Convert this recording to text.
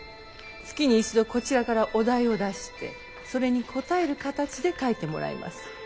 月に一度こちらからお題を出してそれに答える形で書いてもらいます。